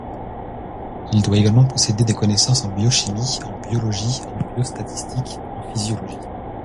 Il doit également posséder des connaissances en biochimie, en biologie, en biostatistique, en physiologie.